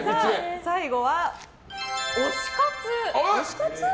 最後は推し活。